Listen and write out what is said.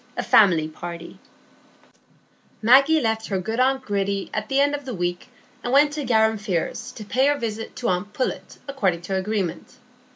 A Family Party Maggie left her good aunt Gritty at the end of the week, and went to Garum Firs to pay her visit to aunt Pullet according to agreement.